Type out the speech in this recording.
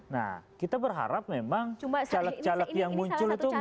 nah kita berharap memang caleg caleg yang muncul itu muncul